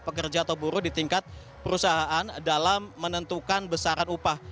pekerja atau buruh di tingkat perusahaan dalam menentukan besaran upah